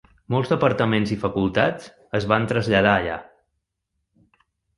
Molts departaments i facultats es van traslladar allà.